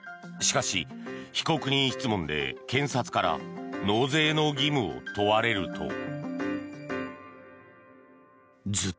しかし、被告人質問で検察から納税の義務を問われると。